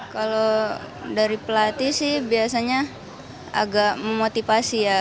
kalau dari pelatih sih biasanya agak memotivasi ya